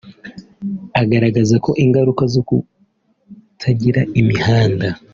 Agaragaza ko ingaruka zo kutagira imihanda